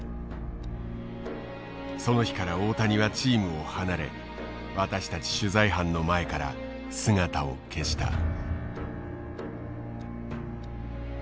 その日から大谷はチームを離れ私たち取材班の前から姿を消した。